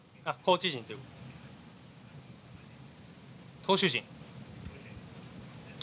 投手陣。